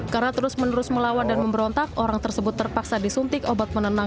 karena terus menerus melawan dan memberontak orang tersebut terpaksa disuntik obat penenang